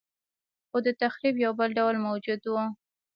خو د تخریب یو بل ډول موجود و